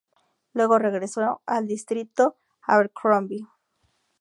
Luego regresó al distrito de Abercrombie.